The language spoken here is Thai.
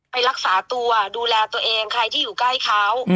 ไปรักษาตัวดูแลตัวเองใครที่อยู่ใกล้เขา